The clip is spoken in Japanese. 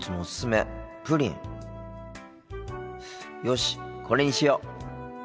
よしこれにしよう。